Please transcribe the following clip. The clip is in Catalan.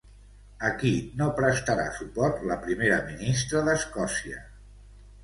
A qui no prestarà suport la primera ministra d'Escòcia?